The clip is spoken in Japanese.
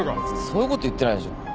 別にそういうこと言ってないでしょ。